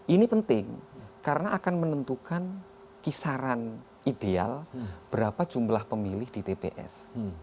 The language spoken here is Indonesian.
ini penting karena akan menentukan kisaran ideal berapa jumlah pemilih di tps